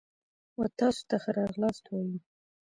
و تاسو ته ښه راغلاست وایو.